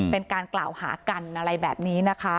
เป็นการกล่าวหากันอะไรแบบนี้นะคะ